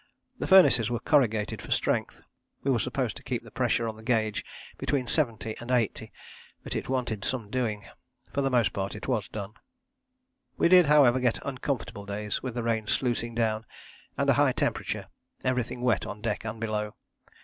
The furnaces were corrugated for strength. We were supposed to keep the pressure on the gauge between 70 and 80, but it wanted some doing. For the most part it was done. We did, however, get uncomfortable days with the rain sluicing down and a high temperature everything wet on deck and below.